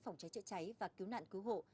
phòng cháy chữa cháy và cứu nạn cứu hộ